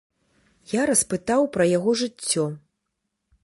Я распытаў пра яго жыццё.